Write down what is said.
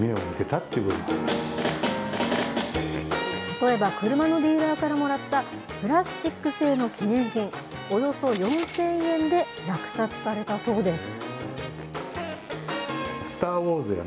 例えば、車のディーラーからもらったプラスチック製の記念品、およそ４０００円で落札されたそうです。